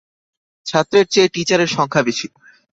ছাত্রের চেয়ে টীচারের সংখ্যা বেশি।